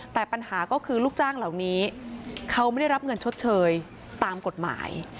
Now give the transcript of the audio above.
แต่ปัญหาก็คือลูกจ้างเหล่านี้เขาไม่ได้รับเงินชดเชยตามกฎหมาย